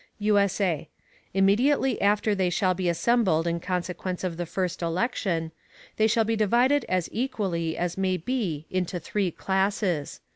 [USA] Immediately after they shall be assembled in Consequence of the first Election, they shall be divided as equally as may be into three Classes.